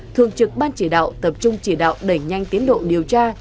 thường trực ban chỉ đạo tập trung chỉ đạo đẩy nhanh tiến độ điều tra